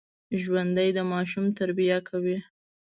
ژوندي د ماشومانو تربیه کوي